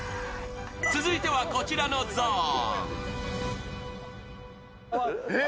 続いてはこちらのゾーン。